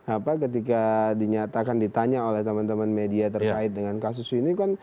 apa ketika dinyatakan ditanya oleh teman teman media terkait dengan kasus ini kan